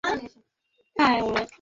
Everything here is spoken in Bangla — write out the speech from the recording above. এই একটা ছবি তুলো।